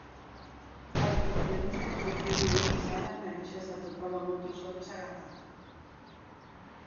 A recepcionista conduciume a unha sala na que xa se atopaban outros homes agardando.